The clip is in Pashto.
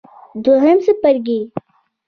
دویم څپرکی